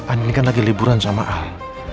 andin kan lagi liburan sama al